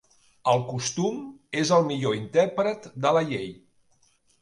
El costum és el millor intèrpret de la llei.